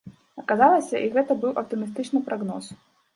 Аказалася, і гэта быў аптымістычны прагноз.